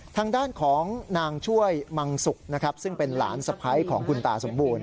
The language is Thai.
ทางด้านของนางช่วยมังสุกนะครับซึ่งเป็นหลานสะพ้ายของคุณตาสมบูรณ